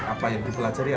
apa yang dipelajari apa